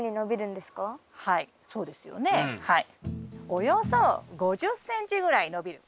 およそ５０ｃｍぐらい伸びる。